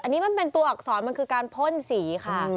อันนี้มันเป็นตัวอักษรมันคือการพ่นสีค่ะ